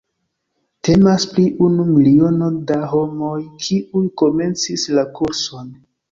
Temas pri unu miliono da homoj, kiuj komencis la kurson.